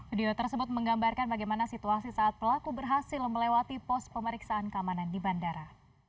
video tersebut menggambarkan bagaimana situasi saat pelaku berhasil melewati pos pemeriksaan keamanan di bandara